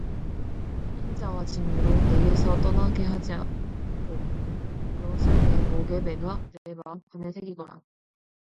인자와 진리로 네게서 떠나지 않게 하고 그것을 네 목에 매며 네 마음판에 새기라